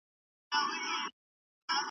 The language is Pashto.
الوتکه په هوایي ډګر کې ښکته شوه.